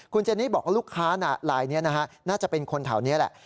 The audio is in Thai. คุณเจนี่บอกว่าลูกค้าลายนี้นะฮะน่าจะเป็นคนแถวนี้แหละ